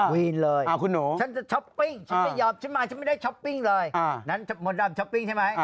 วีนเลยฉันจะช้อปปิ้งฉันไม่ยอมฉันมาฉันไม่ได้ช้อปปิ้งเลยนั้นมดดำช้อปปิ้งใช่ไหม